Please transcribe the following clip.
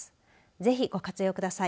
ぜひ、ご活用ください。